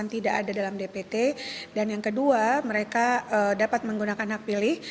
tidak ada dalam dpt dan yang kedua mereka dapat menggunakan hak pilih